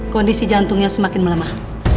kondisi jantungnya semakin melemah